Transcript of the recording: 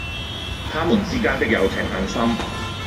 他們之間的友情很深。